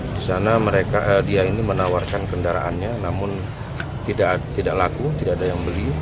di sana dia ini menawarkan kendaraannya namun tidak laku tidak ada yang beli